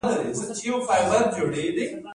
د معدې درد لپاره نعناع وکاروئ